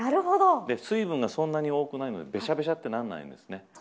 水分が、そんなに多くないのでべしゃっとならないんです。